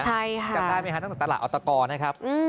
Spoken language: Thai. ใช่ค่ะจับได้ไหมคะตั้งแต่ตลาดอัตกรนะครับอืม